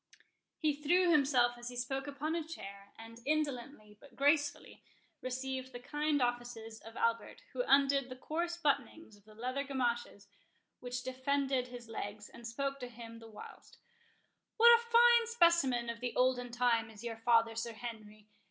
He threw himself as he spoke upon a chair, and indolently, but gracefully, received the kind offices, of Albert, who undid the coarse buttonings of the leathern gamashes which defended his legs, and spoke to him the whilst:—"What a fine specimen of the olden time is your father, Sir Henry!